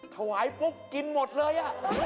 ถวายปุ๊บกินหมดเลย